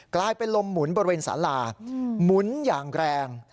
กลายเป็นลมหมุนบริเวณสาราหมุนอย่างแรง